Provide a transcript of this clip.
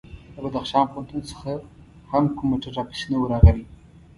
له بدخشان پوهنتون څخه هم کوم موټر راپسې نه و راغلی.